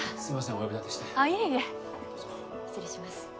お呼びだてしてあっいえいえどうぞ失礼します